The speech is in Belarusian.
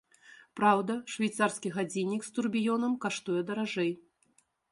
Праўда, швейцарскі гадзіннік з турбіёнам каштуе даражэй.